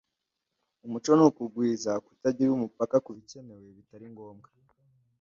Umuco ni kugwiza kutagira umupaka kubikenewe bitari ngombwa.